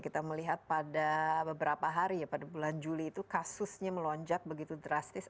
kita melihat pada beberapa hari ya pada bulan juli itu kasusnya melonjak begitu drastis